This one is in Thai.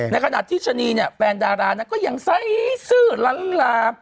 ในขณะที่ฉันนี่เนี่ยแฟนดาราน่ะก็ยังไซซ์ซื้อล้างลา